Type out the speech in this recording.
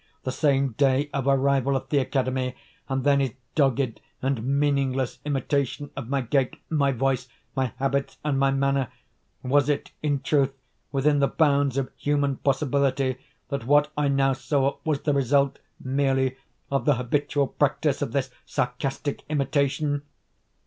the same day of arrival at the academy! And then his dogged and meaningless imitation of my gait, my voice, my habits, and my manner! Was it, in truth, within the bounds of human possibility, that what I now saw was the result, merely, of the habitual practice of this sarcastic imitation?